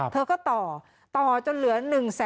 เธอก็ต่อต่อจนเหลือ๑แสน